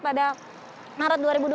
pada maret dua ribu dua puluh